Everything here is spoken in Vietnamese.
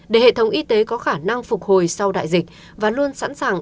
để hệ thống y tế có khả năng phục hồi sau đại dịch và luôn sẵn sàng